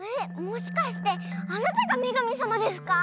もしかしてあなたがめがみさまですか？